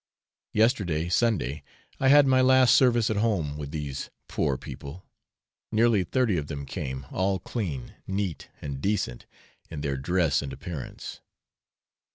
Yesterday, Sunday, I had my last service at home with these poor people; nearly thirty of them came, all clean, neat, and decent, in their dress and appearance.